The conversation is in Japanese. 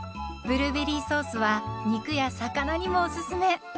ブルーベリーソースは肉や魚にもおすすめ。